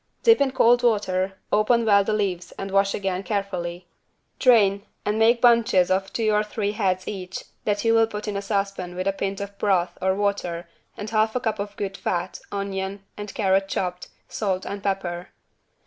Dip in cold water, open well the leaves and wash again carefully. Drain and make bunches of two or three heads each that you will put in a saucepan with a pint of broth or water and half a cup of good fat, onion and carrot chopped, salt and pepper.